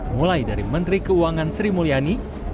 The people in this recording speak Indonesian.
mulai dari menteri keuangan sri mulyani